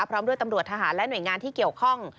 พร้อมด้วยตำรวจทหารและหน่วยงานที่เกี่ยวข้อง